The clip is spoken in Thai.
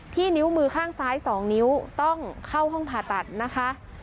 นิ้วมือข้างซ้าย๒นิ้วต้องเข้าห้องผ่าตัดนะคะ